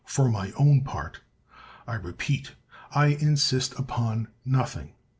For my own part, I repeat, I insist upon nothing.